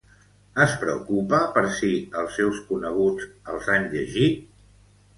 Es preocupa per si els seus coneguts els han llegit?